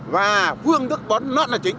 và phương thức bón nót là chính